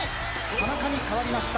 田中に変わりました。